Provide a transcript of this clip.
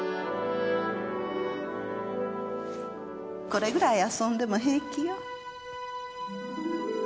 これぐらい遊んでも平気よ。